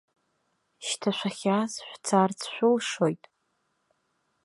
Шьҭа шәахьааз шәцарц шәылшоит.